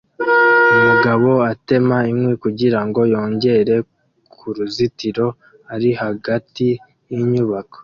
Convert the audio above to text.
Umugabo atema inkwi kugirango yongere kuruzitiro ari hagati yinyubako